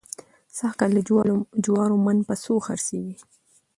سږکال د جوارو من په څو خرڅېږي؟